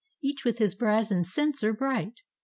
Each with his brazen censer bright.